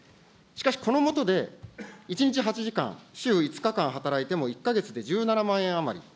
しかしこの下で、１日８時間、週５日間働いても、１か月で１７万円余り。